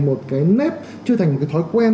một cái nếp chưa trở thành một cái thói quen